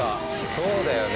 そうだよね。